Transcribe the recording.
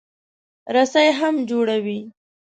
رسۍ هم جوړوي.